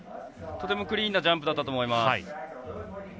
とてもクリーンなジャンプだったと思います。